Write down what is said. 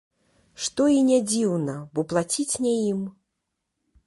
Што і не дзіўна, бо плаціць не ім.